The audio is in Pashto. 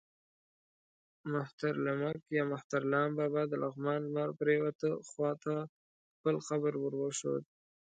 مهترلمک یا مهترلام بابا د لغمان لمر پرېواته خوا ته خپل قبر ور وښود.